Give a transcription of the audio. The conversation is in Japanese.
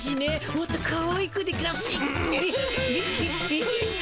もっとかわいくでガシ。